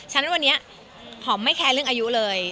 ฉะนั้นวันนี้หอมไม่แคร์เรื่องอายุเลย